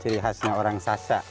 ciri khasnya orang sasak